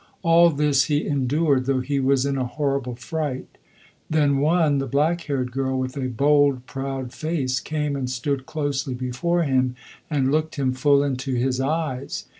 All this he endured, though he was in a horrible fright. Then one, the black haired girl with a bold, proud face, came and stood closely before him and looked him full into his eyes.